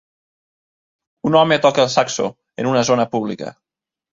Un home toca el saxo en una zona pública.